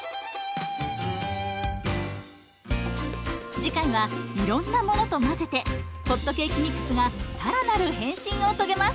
次回はいろんなものと混ぜてホットケーキミックスが更なる変身を遂げます！